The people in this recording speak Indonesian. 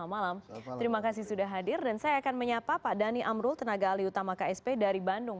selamat malam terima kasih sudah hadir dan saya akan menyapa pak dhani amrul tenaga alih utama ksp dari bandung